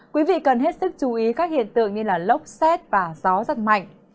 quý vị cần hết sức chú ý các hiện tượng như lốc xét và gió rất mạnh